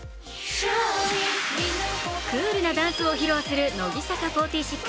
クールなダンスを披露する乃木坂４６。